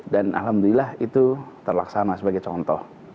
dan alhamdulillah itu terlaksana sebagai contoh